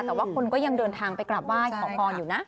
แต่ว่าคนก็ยังเดินทางไปกลับไหว้ขอพรอยู่นะ